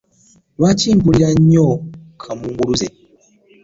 Lwaki mpulira nnyo kamunguluze?